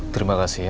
terima kasih ya